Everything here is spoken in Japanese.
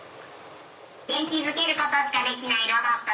元気づけることしかできない。